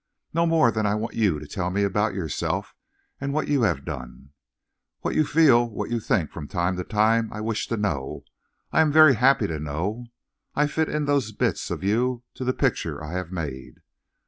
"No more than I want you to tell me about yourself and what you have done. What you feel, what you think from time to time, I wish to know; I am very happy to know. I fit in those bits of you to the picture I have made."